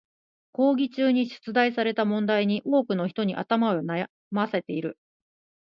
講義中に出題された問題に多くの人に頭を悩ませている。